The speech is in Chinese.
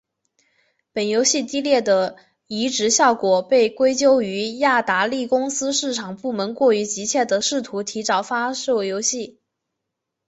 本游戏低劣的移植效果被归咎于雅达利公司市场部门过于急切地试图提早发售游戏。